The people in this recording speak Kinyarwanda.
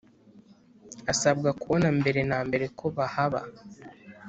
asabwa kubona mbere na mbere ko bahaba